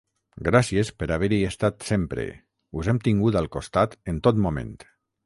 Gràcies per haver-hi estat sempre, us hem tingut al costat en tot moment.